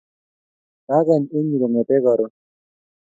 Kaagany eng' yu kong'ete karon